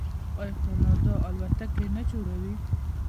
آیا کاناډا الوتکې نه جوړوي؟